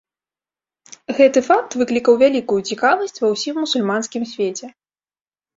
Гэты факт выклікаў вялікую цікавасць ва ўсім мусульманскім свеце.